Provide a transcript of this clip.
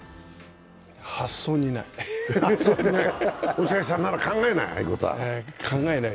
発想にない。